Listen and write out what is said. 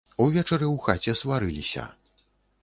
Увечары ў хаце сварыліся.